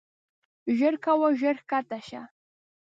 ژر کوه ژر کښته شه.